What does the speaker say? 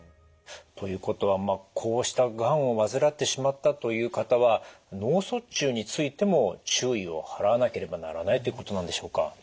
ということはこうしたがんを患ってしまったという方は脳卒中についても注意を払わなければならないということなんでしょうか？